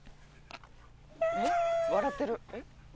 笑ってる。